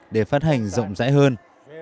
để phát hành rộng rãi hơn